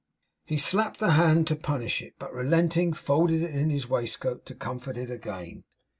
He slapped the hand to punish it; but relenting, folded it in his waistcoat to comfort it again.